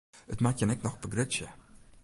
It moat jin ek noch begrutsje.